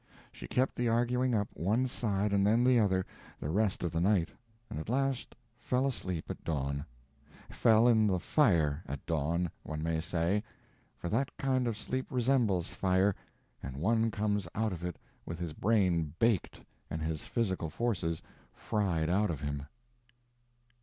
She kept the arguing up, one side and then the other, the rest of the night, and at last fell asleep at dawn; fell in the fire at dawn, one may say; for that kind of sleep resembles fire, and one comes out of it with his brain baked and his physical forces fried out of him.